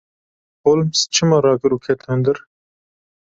Holmes çira rakir û ket hundir.